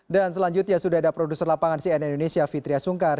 dan selanjutnya sudah ada produser lapangan cnn indonesia fitria sungkar